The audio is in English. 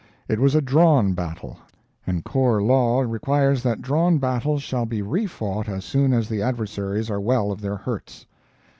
It was a drawn battle, and corps law requires that drawn battles shall be refought as soon as the adversaries are well of their hurts.